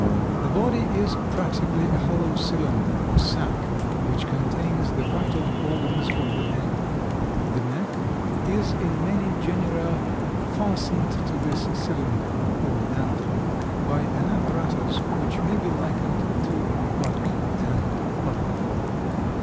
The body is practically a hollow cylinder or sac which contains the vital organs of the animal. The neck is in many genera fastened to this cylinder or mantle by an apparatus which may be likened to a button and button hole.